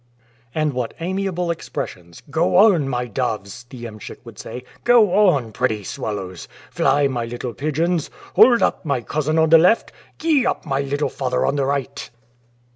And what amiable expressions! "Go on, my doves!" the iemschik would say. "Go on, pretty swallows! Fly, my little pigeons! Hold up, my cousin on the left! Gee up, my little father on the right!"